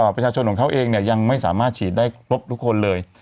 ประชาชนของเขาเองยังไม่สามารถฉีดได้ครบทุกคนเลย